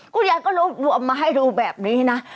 กูยังก็รวมมาให้ดูแบบนี้นะ